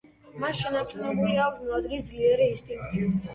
მას შენარჩუნებული აქვს მონადირის ძლიერი ინსტინქტი.